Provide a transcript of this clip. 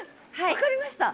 分かりました。